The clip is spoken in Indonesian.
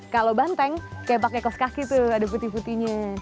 kalau banteng kayak pakai kaos kaki tuh ada putih putihnya